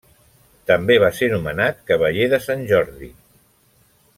També va ser nomenat cavaller de Sant Jordi.